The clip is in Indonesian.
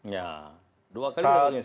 ya dua kali berkoalisi